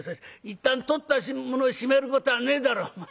「いったん取ったものを締めることはねえだろお前」。